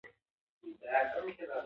زه ورځپاڼه اخلم.